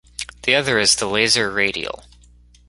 The other is the Laser Radial.